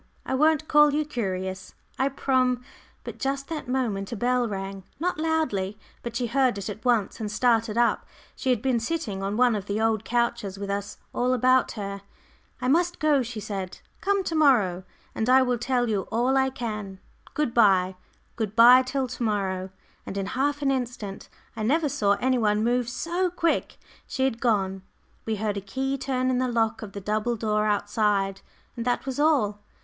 I won't call you curious, I prom " But just that moment a bell rang not loudly, but she heard it at once, and started up. She had been sitting on one of the old couches, with us all about her. "I must go," she said. "Come to morrow and I will tell you all I can. Good bye; good bye till to morrow," and in half an instant I never saw any one move so quick she had gone. We heard a key turn in the lock of the double door outside, and that was all!